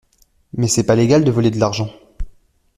Mais c'est pas légal de voler de l'argent.